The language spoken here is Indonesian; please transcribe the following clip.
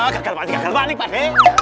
gagal badik pak dek